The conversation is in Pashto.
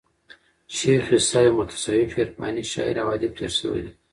شېخ عیسي یو متصوف عرفاني شاعر او ادیب تیر سوى دئ.